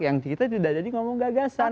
yang kita tidak jadi ngomong gagasan